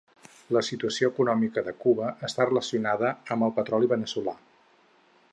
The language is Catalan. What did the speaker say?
La situació econòmica de Cuba està relacionada amb el petroli veneçolà.